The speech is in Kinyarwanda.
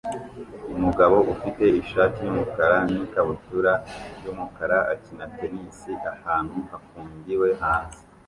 Umugabo ufite ishati yumukara n ikabutura yumukara akina tennis ahantu hafungiwe hanze